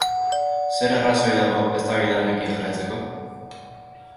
Zer arrazoi dago eztabaida honekin jarraitzeko?